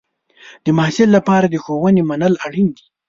د محصل لپاره د ښوونې منل اړین دی.